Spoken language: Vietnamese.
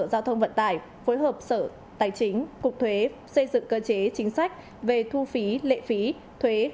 bộ giao thông vận tải phối hợp sở tài chính cục thuế xây dựng cơ chế chính sách về thu phí lệ phí thuế